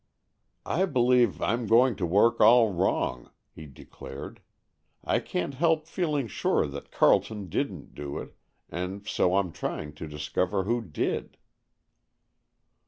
"I believe I'm going to work all wrong," he declared. "I can't help feeling sure that Carleton didn't do it, and so I'm trying to discover who did."